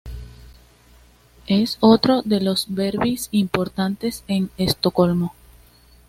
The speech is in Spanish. Es otro de los derbis importante en Estocolmo.